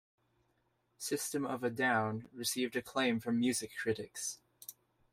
"System of a Down" received acclaim from music critics.